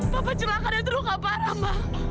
papa celakanya terluka parah ma